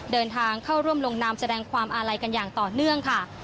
เดินทางเข้าร่วมลงนามแสดงความอาลัยกันอย่างต่อเนื่องค่ะ